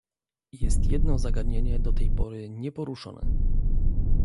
Jest jedno zagadnienie do tej pory nieporuszone